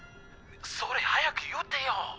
それ早く言ってよぉ。